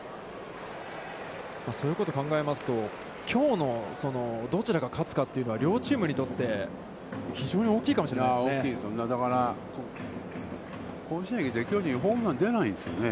そういうを考えますと、きょうのどちらが勝つかというのは、両チームにとって非常に大きいかもしれないですね、大きいですね。